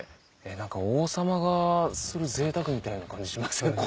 何か王様がするぜいたくみたいな感じします。